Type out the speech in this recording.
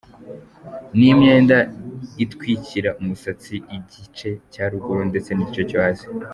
Ni imyenda itwikira umusatsi, igice cya ruguru ndetse n’igice cyo hasi.